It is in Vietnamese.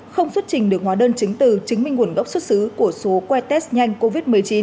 không xuất trình được hóa đơn chứng từ chứng minh nguồn gốc xuất xứ của số quay test nhanh covid một mươi chín